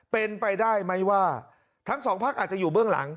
เป็นไปได้ไหมว่าทั้งสองพักอาจจะอยู่เบื้องหลัง